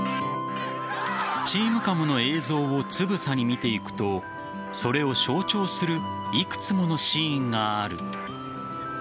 ＴｅａｍＣａｍの映像をつぶさに見ていくとそれを象徴する幾つものシーンがある。